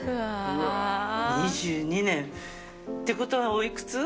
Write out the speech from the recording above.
２２年ってことはおいくつ？